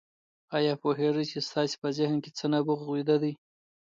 آيا پوهېږئ چې ستاسې په ذهن کې څه نبوغ ويده دی؟